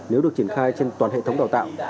nếu được triển khai trên toàn hệ thống đào tạo